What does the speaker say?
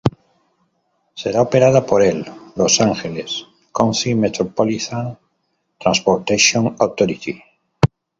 Será operada por el Los Angeles County Metropolitan Transportation Authority.